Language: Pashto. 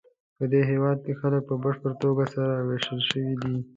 پدې هېواد کې خلک په بشپړه توګه سره وېشل شوي دي.